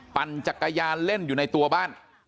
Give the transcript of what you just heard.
ปั่นจักรยานเล่นอยู่ในตัวบ้าน